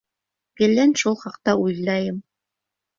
Гелән шул хаҡта уйлайым.